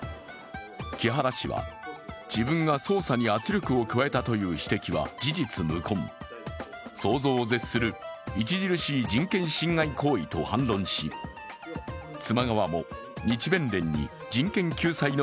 木原氏は、自分が捜査に圧力を加えたという指摘は事実無根想像を絶する著しい人権侵害行為と反論し続いては特集です。